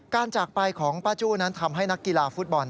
จากไปของป้าจู้นั้นทำให้นักกีฬาฟุตบอล